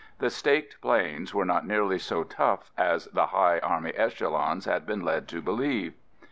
The Staked Plains were not nearly so tough as the high army echelons had been led to believe.